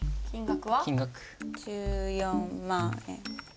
１４万円。